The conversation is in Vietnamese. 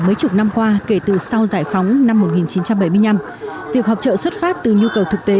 mấy chục năm qua kể từ sau giải phóng năm một nghìn chín trăm bảy mươi năm việc họp trợ xuất phát từ nhu cầu thực tế